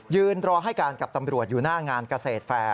ยืนรอให้การกับตำรวจอยู่หน้างานเกษตรแฟร์